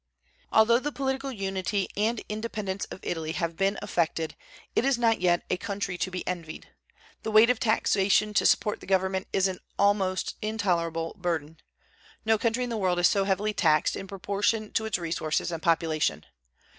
Although the political unity and independence of Italy have been effected, it is not yet a country to be envied. The weight of taxation to support the government is an almost intolerable burden. No country in the world is so heavily taxed in proportion to its resources and population.